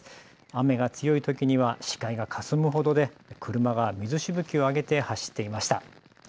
雨が強いときには視界がかすむほどで車が水しぶきを上げて走っていました。